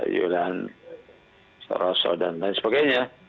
yudan saroso dan lain sebagainya